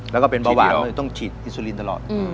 แล้วก็เป็นเบาหวานเลยต้องฉีดอิซูลินตลอด